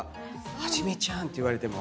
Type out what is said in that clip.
「はじめちゃん」って言われても。